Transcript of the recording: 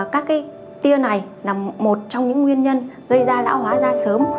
các tia này là một trong những nguyên nhân gây ra lão hóa da sớm